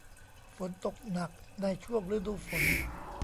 ฝนตกหนักในช่วงฤดูฝน